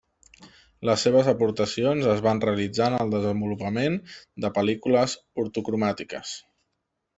Les seves aportacions es van realitzar en el desenvolupament de pel·lícules ortocromàtiques.